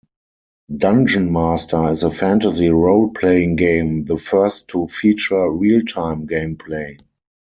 "Dungeon Master" is a fantasy role-playing game, the first to feature real-time gameplay.